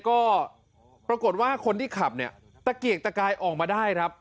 ก็ปรากฏว่าคนที่ขับเนี่ยตะเกียกตะกายออกมาได้ครับ